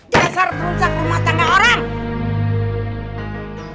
jasar kerusak rumah tangga orang